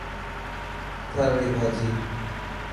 ٿر ري ڀاڄي .